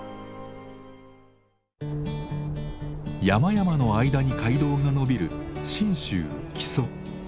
山々の間に街道がのびる信州木曽。